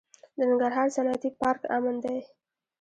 د ننګرهار صنعتي پارک امن دی؟